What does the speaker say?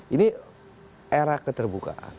ini era keterbukaan